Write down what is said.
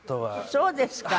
そうですか。